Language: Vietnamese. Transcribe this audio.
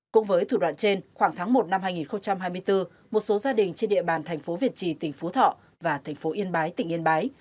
cũng với thủ đoạn trên khoảng tháng một năm hai nghìn hai mươi bốn một số gia đình trên địa bàn thành phố việt trì tỉnh phú thọ và thành phố yên bái tỉnh yên bái